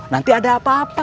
nanti ada apa apa